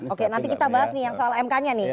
oke nanti kita bahas nih yang soal mk nya nih